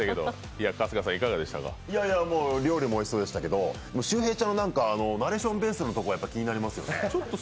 もう料理もおいしそうでしたけど、周平ちゃんはナレーションベースのところ気になりますね。